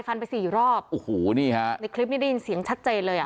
ไปสี่รอบโอ้โหนี่ฮะในคลิปนี้ได้ยินเสียงชัดเจนเลยอ่ะ